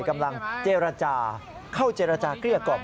กำลังเจรจาเข้าเจรจาเกลี้ยกล่อม